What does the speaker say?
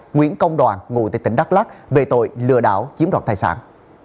nguyễn công đoàn ngụ tại tỉnh đắk lắc về tội lừa đảo chiếm đoạt tài sản